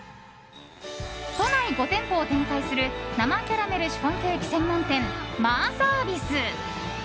都内５店舗を展開する生キャラメルシフォンケーキ専門店マーサービス。